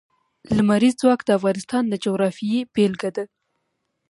لمریز ځواک د افغانستان د جغرافیې بېلګه ده.